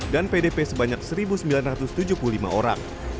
pdp sebanyak satu sembilan ratus tujuh puluh lima orang